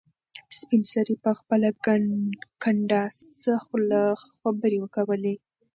سپین سرې په خپله کنډاسه خوله خبرې کولې.